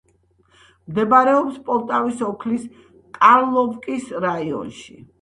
მდებარეობს პოლტავის ოლქის კარლოვკის რაიონში.